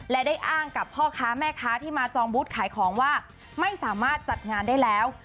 และได้อ้างกับพ่อค้าแม่ค้าที่มาจองบูธขายของว่าไม่สามารถจัดงานได้แล้ว